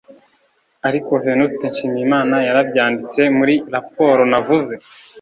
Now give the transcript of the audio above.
ariko Venuste Nshimiyimana yarabyanditse muri raporo navuze